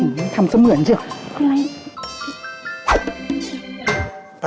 เห็นที่เหมือนเท่าไหร่